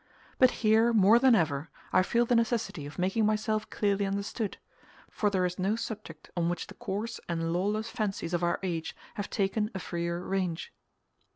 But here, more than ever, I feel the necessity of making myself clearly understood; for there is no subject on which the coarse and lawless fancies of our age have taken a freer range.